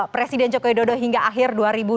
presiden joko widodo hingga akhir dua ribu dua puluh